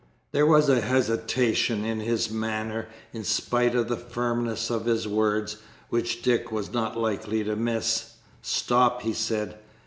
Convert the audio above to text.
There was a hesitation in his manner, in spite of the firmness of his words, which Dick was not likely to miss. "Stop!" he said.